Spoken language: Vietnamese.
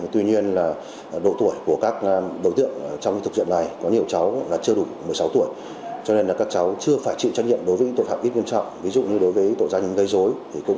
tuy nhiên độ tuổi của các đối tượng trong thực hiện này có nhiều cháu chưa đủ một mươi sáu tuổi cho nên các cháu chưa phải chịu trách nhiệm đối với tội phạm ít nghiêm trọng ví dụ như đối với tội doanh gây dối